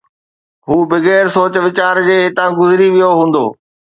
هو بغير سوچ ويچار جي هتان گذري ويو هوندو